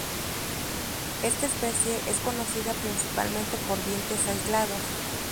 Esta especie es conocida principalmente por dientes aislados.